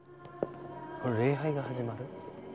これ礼拝が始まる？